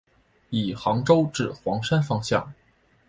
以杭州至黄山方向。